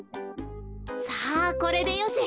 さあこれでよし。